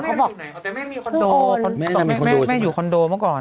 แต่แม่จรงแม่อยู่คอนโดเมื่อก่อน